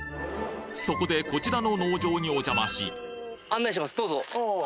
そこでこちらの農場にお邪魔しどうぞ。